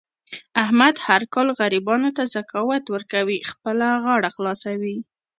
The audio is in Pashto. احمد هر کال غریبانو ته زکات ورکوي. خپله غاړه خلاصوي.